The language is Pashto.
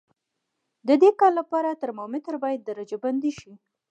د دې کار لپاره ترمامتر باید درجه بندي شي.